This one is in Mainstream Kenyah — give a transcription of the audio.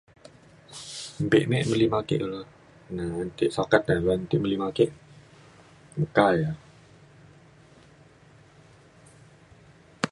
mbe me beli me ake kulo na an ke sukat uban me beli me ake meka ia’